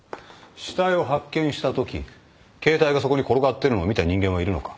死体を発見したとき携帯がそこに転がってるのを見た人間はいるのか？